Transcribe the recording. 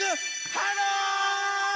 ハロー！